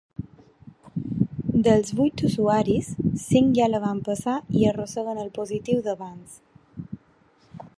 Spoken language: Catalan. Dels vuit usuaris, cinc ja la van passar i arrosseguen el positiu d’abans.